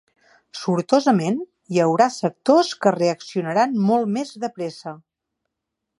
Sortosament, hi haurà sectors que reaccionaran molt més de pressa.